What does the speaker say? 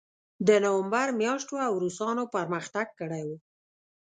د نومبر میاشت وه او روسانو پرمختګ کړی و